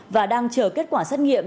và đang chờ kết quả xét nghiệm